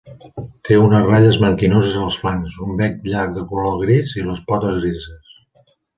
Té unes ratlles blanquinoses als flancs, un bec llarg de color gris i les potes grises.